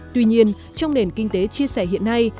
tuy nhiên trong nền kinh tế chia sẻ hiện nay